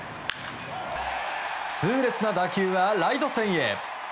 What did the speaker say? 痛烈な打球はライト線へ。